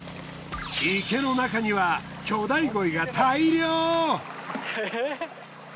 池の中には巨大鯉が大量！